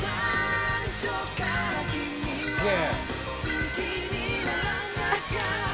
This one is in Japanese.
すげえ。